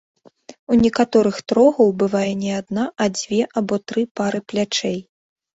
У некаторых трогаў бывае не адна, а дзве або тры пары плячэй.